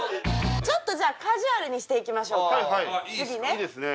ちょっとじゃあカジュアルにしていきましょうか次ね。